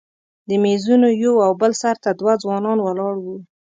د میزونو یو او بل سر ته دوه ځوانان ولاړ وو.